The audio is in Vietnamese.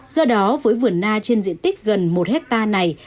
do đó với vườn na trên diện tích gần một hectare này